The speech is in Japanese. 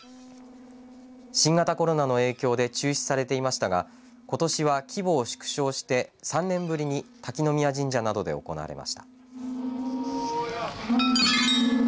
新型コロナの影響で中止されていましたがことしは規模を縮小して３年ぶりに滝宮神社などで行われました。